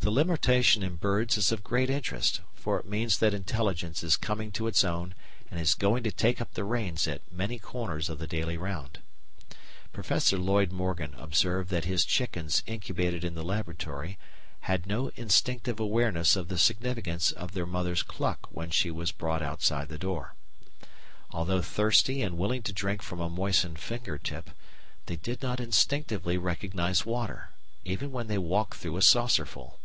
The limitation in birds is of great interest, for it means that intelligence is coming to its own and is going to take up the reins at many corners of the daily round. Professor Lloyd Morgan observed that his chickens incubated in the laboratory had no instinctive awareness of the significance of their mother's cluck when she was brought outside the door. Although thirsty and willing to drink from a moistened finger tip, they did not instinctively recognize water, even when they walked through a saucerful.